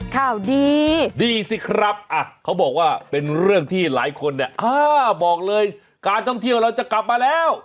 ข่าวดีดีสิครับเขาบอกว่าเป็นเรื่องที่หลายคนเนี่ยบอกเลยการท่องเที่ยวเราจะกลับมาแล้ว